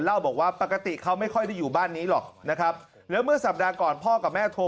เล่าบอกว่าปกติเขาไม่ค่อยได้อยู่บ้านนี้หรอกนะครับแล้วเมื่อสัปดาห์ก่อนพ่อกับแม่โทร